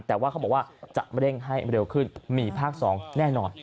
แต่ว่าเขาบอกว่าจะเร่งให้เร็วขึ้นมีภาค๒แน่นอน